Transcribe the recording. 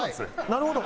なるほど。